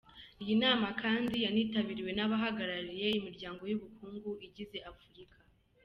Iyi nama kandi yanitabiriwe n’abahagarariye imiryango y’ubukungu igize Afurika.